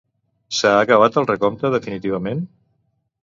S'ha acabat el recompte definitivament?